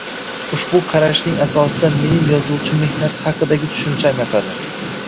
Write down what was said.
Ushbu qarashning asosida mening yozuvchi mehnati haqidagi tushuncham yotadi